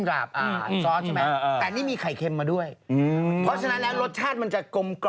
กลัวคุณแหมเป็นไข่เข็มหรอแองก์ตอก